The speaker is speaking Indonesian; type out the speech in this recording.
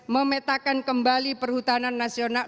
memetakan kembali perhutanan nasional